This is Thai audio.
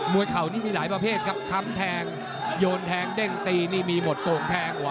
เข่านี่มีหลายประเภทครับค้ำแทงโยนแทงเด้งตีนี่มีหมดโก่งแพงกว่า